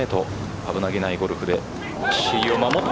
危なげないゴルフで１位を守って。